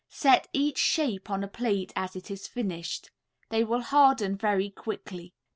Set each shape on a plate as it is finished. They will harden very quickly.